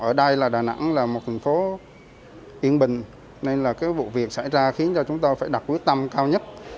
ở đây là đà nẵng là một thành phố yên bình nên là cái vụ việc xảy ra khiến cho chúng tôi phải đặt quyết tâm cao nhất